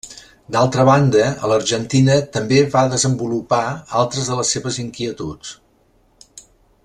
D'altra banda, a l'Argentina també va desenvolupar altres de les seves inquietuds.